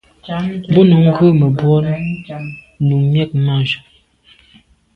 Bo num ngù mebwô num miag mage.